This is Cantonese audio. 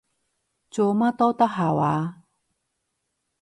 做乜都得下話？